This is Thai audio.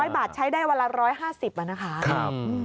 ๘๐๐บาทใช้ได้เวลา๑๕๐บาทนะคะ